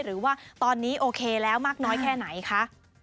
หรือว่าตอนนี้โอเคแล้วมากน้อยแค่ไหนคะ